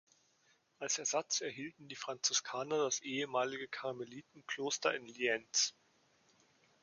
Als Ersatz erhielten die Franziskaner das ehemalige Karmelitenkloster in Lienz.